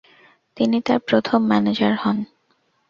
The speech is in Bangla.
তিনি তার প্রথম ম্যানেজার হন।